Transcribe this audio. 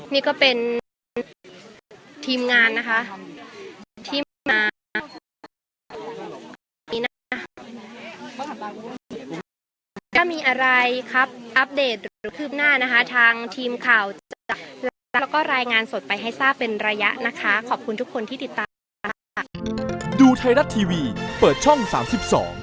นี่ก็เป็นทีมงานนะคะทีมงานนี้นะคะจะมีอะไรครับอัปเดตหรือคลิปหน้านะคะทางทีมข่าวจากแล้วก็รายงานสดไปให้ทราบเป็นระยะนะคะขอบคุณทุกคนที่ติดตามนะคะ